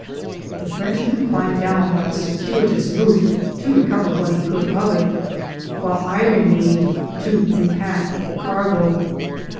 The Frenchman climbed down by a circuitous route to recover what he could of it, while I remained to re pack the cargo.